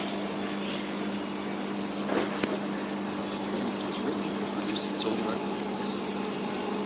"The Truth" was written and produced solely by Prince.